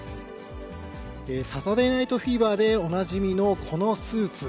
サタデー・ナイト・フィーバーでおなじみのこのスーツ。